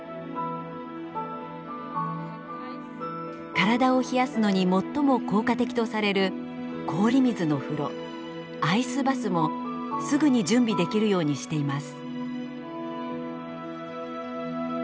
体を冷やすのに最も効果的とされる氷水の風呂アイスバスもすぐに準備できるようにしています。